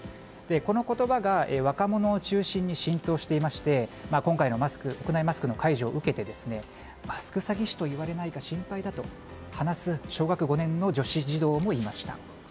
この言葉が若者を中心に浸透していまして今回の屋内マスクの解除を受けてマスク詐欺師と言われないか心配だと話す小学５年の女子児童もいました。